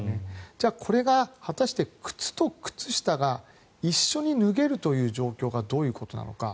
じゃあこれが果たして靴と靴下が一緒に脱げるという状況がどういうことなのか。